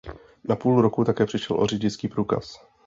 Na půl roku také přišel o řidičský průkaz.